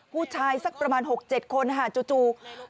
ผู้ชายสักประมาณ๖๗คนจู่